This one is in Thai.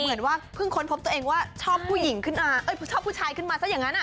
เหมือนว่าพึ่งค้นพบตัวเองว่าชอบผู้ชายขึ้นมาซะอย่างนั้น